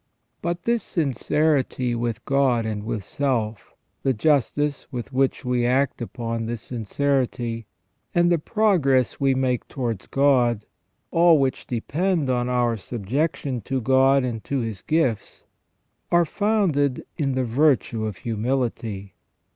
But this sincerity with God and with self, the justice with which we act upon this sincerity, and the progress we make towards God, all which depend on our subjection to God and to His gifts, are founded in the virtue of humility.